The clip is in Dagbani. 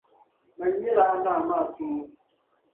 Mani nyɛla a Naa maa tumo.